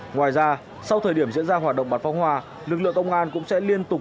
ngoài ra sau thời điểm diễn ra hoạt động bán pháo hoa lực lượng công an cũng sẽ liên tục